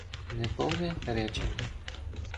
Неповне речення